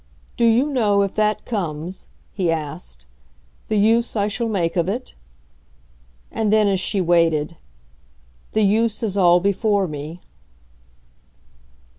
Do you know, if that comes," he asked, "the use I shall make of it?" And then as she waited: "The use is all before me."